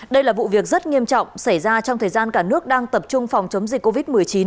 đây là vụ việc rất nghiêm trọng xảy ra trong thời gian cả nước đang tập trung phòng chống dịch covid một mươi chín